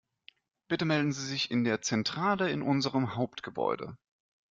Bitte melden Sie sich in der Zentrale in unserem Hauptgebäude.